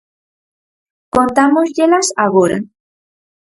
Contámosllelas agora.